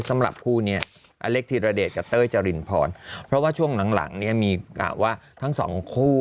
สำหรับคู่นี้อเล็กทีระเดทกะเต้ยจะรินคร้อนเพราะว่าช่วงหลังก็กลายหาว่าทั้งสองคู่